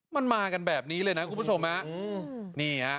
มันมากันแบบนี้เลยนะคุณผู้ชมฮะนี่ฮะ